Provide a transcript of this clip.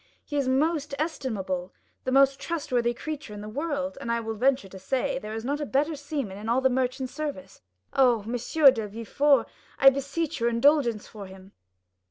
He is the most estimable, the most trustworthy creature in the world, and I will venture to say, there is not a better seaman in all the merchant service. Oh, M. de Villefort, I beseech your indulgence for him."